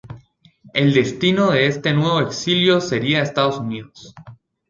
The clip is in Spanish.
El destino de este nuevo exilio sería Estados Unidos.